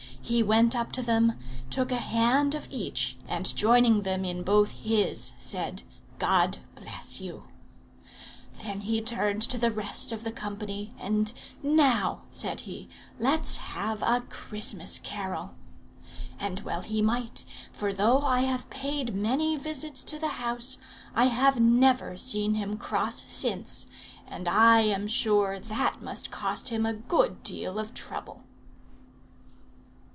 He went up to them, took a hand of each, and joining them in both his, said, 'God bless you!' Then he turned to the rest of the company, and 'Now,' said he, 'let's have a Christmas carol.' And well he might; for though I have paid many visits to the house, I have never seen him cross since; and I am sure that must cost him a good deal of trouble."